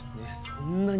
そんなに？